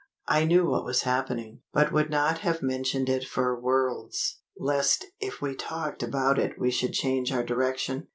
I knew what was happening, but would not have mentioned it for worlds, lest if we talked about it we should change our direction.